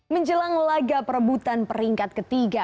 menjelang laga perebutan peringkat ketiga